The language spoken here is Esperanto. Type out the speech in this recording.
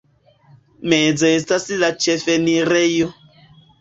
Meze estas la ĉefenirejo.